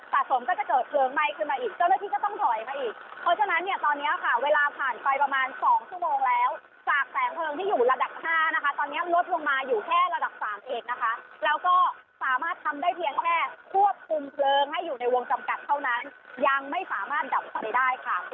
สะสมก็จะเกิดเพลิงไหม้ขึ้นมาอีกเจ้าหน้าที่ก็ต้องถอยมาอีกเพราะฉะนั้นเนี่ยตอนเนี้ยค่ะเวลาผ่านไปประมาณสองชั่วโมงแล้วจากแสงเพลิงที่อยู่ระดับห้านะคะตอนนี้ลดลงมาอยู่แค่ระดับสามเองนะคะแล้วก็สามารถทำได้เพียงแค่ควบคุมเพลิงให้อยู่ในวงจำกัดเท่านั้นยังไม่สามารถดับไฟได้ค่ะ